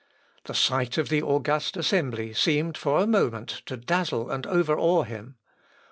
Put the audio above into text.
The sight of the august assembly seemed for a moment to dazzle and overawe him.